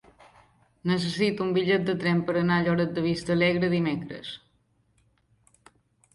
Necessito un bitllet de tren per anar a Lloret de Vistalegre dimecres.